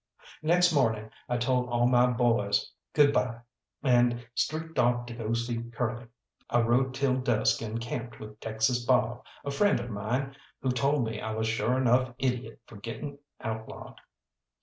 Next morning I told all my boys good bye, and streaked off to go see Curly. I rode till dusk and camped with Texas Bob, a friend of mine who told me I was sure enough idiot for getting outlawed.